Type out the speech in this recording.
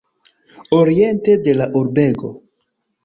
Oriente de la urbego.